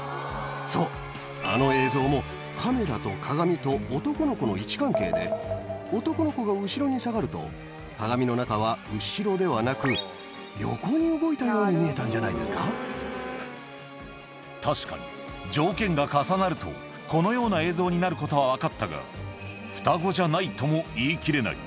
そう、あの映像も、カメラと鏡と男の子の位置関係で、男の子が後ろに下がると、鏡の中は後ろではなく、横に動いたよう確かに、条件が重なると、このような映像になることは分かったが、双子じゃないとも言い切れない。